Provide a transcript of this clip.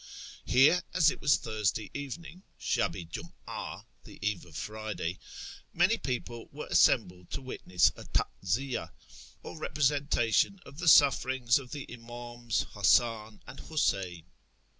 Here, as it was Thursday evening (shah i junia, the eve of Friday), many people were assembled to witness a taziya, or representation of the sufferings of the Im; ims Hasan and Huseyn.